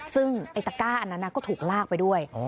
ซึ่งไอ้ตะก้าอันนั้นก็ถูกลากไปด้วย